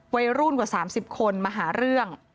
วัยรุ่นกว่า๓๐คนมาหาเรื่อง